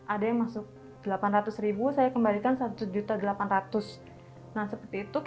ada yang masuk dua juta saya kembalikan dua juta saya kembalikan dua juta